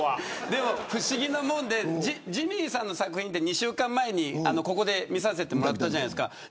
でも不思議なもんでジミーさんの作品って２週間前にここで見させてもらったじゃないですか。